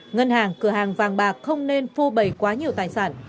ngân hàng cửa hàng vàng bạc không nên phô bầy quá nhiều tài sản